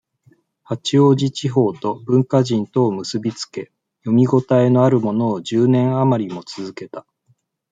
八王子地方と、文化人とを結びつけ、読みごたえのあるものを、十年余りも続けた。